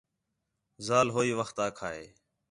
ذال ہوئی وخت آکھا ہِے